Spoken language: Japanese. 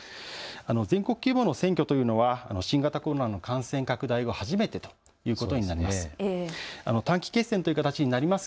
全国規模の選挙というのは新型コロナの感染拡大後、初めてということになります。